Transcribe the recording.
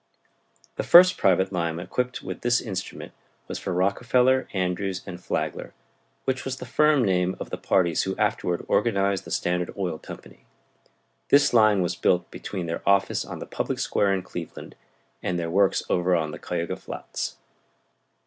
The first private line equipped by this instrument was for Rockefeller, Andrews & Flagler, which was the firm name of the parties who afterward organized the Standard Oil Company. This line was built between their office on the public square in Cleveland and their works over on the Cuyahoga flats.